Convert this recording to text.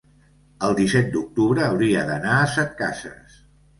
el disset d'octubre hauria d'anar a Setcases.